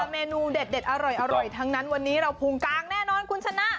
เมนูเด็ดอร่อยทั้งนั้นวันนี้เราพุงกลางแน่นอนคุณชนะ